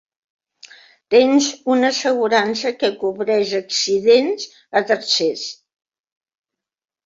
Tens una assegurança que cobreix accidents a tercers.